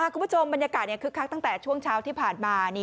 คุณผู้ชมบรรยากาศคึกคักตั้งแต่ช่วงเช้าที่ผ่านมา